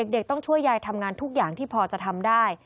เด็กต้องช่วยยายทำงานทุกอย่างที่พอจะทำได้